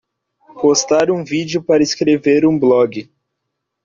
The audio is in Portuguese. Postar um vídeo para escrever um blog